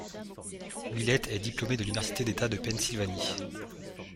Willette est diplômée de l'Université d'État de Pennsylvanie.